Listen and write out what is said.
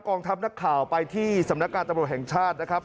องทัพนักข่าวไปที่สำนักการตำรวจแห่งชาตินะครับ